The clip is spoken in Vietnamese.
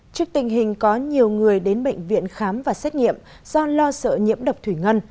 trước tình hình có nhiều người đến bệnh viện khám và xét nghiệm do lo sợ nhiễm độc thủy ngân